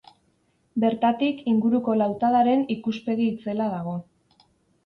Bertatik inguruko lautadaren ikuspegi itzela dago.